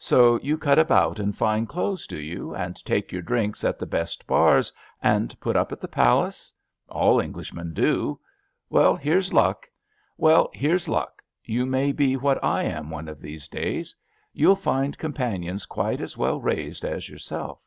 So you cut about in fine clothes, do you, and take your drinks at the best bars and put up at the Palace? All Englishmen do. Well, here's luck; you may be what I am one of these days. You'll find com panions quite as well raised as yourself.